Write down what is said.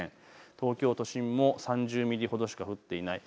東京都心も３０ミリほどしか降っていない。